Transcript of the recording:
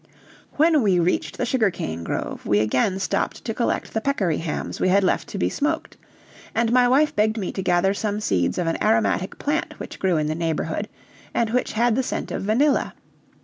When we reached the sugar cane grove, we again stopped to collect the peccary hams we had left to be smoked; and my wife begged me to gather some seeds of an aromatic plant which grew in the neighborhood, and which had the scent of vanilla.